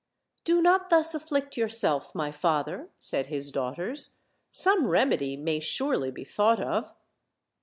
"Do not thus afflict yourself, my father," said his daughters; "some remedy may surely be thought of."